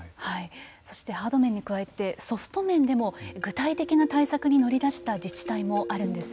そして、ハード面に加えてソフト面でも具体的な対策に乗り出した自治体もあるんです。